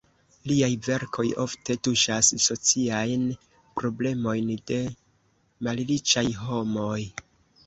Liaj verkoj ofte tuŝas sociajn problemojn de malriĉaj homoj.